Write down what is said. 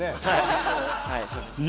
はい。